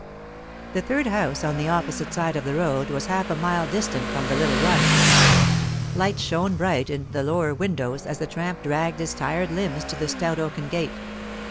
The third house on the opposite side of the road was half a mile distant from the little run. Lights shone bright in the lower windows as the tramp dragged his tired limbs to the stout oaken gate.